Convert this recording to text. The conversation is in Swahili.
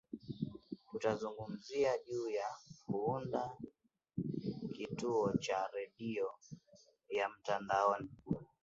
tutazungumzia juu ya kuunda kituo cha redio ya mtandaoni